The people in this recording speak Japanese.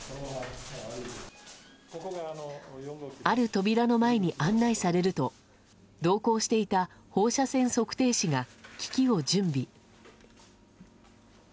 ある扉の前に案内されると同行していた放射線測定士が機器を準備。